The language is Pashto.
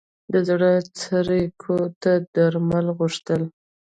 د زړه څړیکو ته درمل غوښتل.